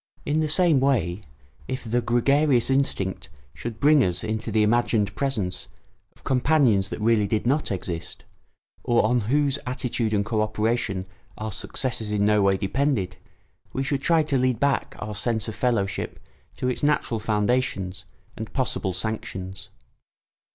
In the same way, if the gregarious instinct should bring us into the imagined presence of companions that really did not exist, or on whose attitude and co operation our successes in no way depended, we should try to lead back our sense of fellowship to its natural foundations and possible sanctions.